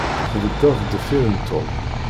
Tbeddeḍ deffir n Tom.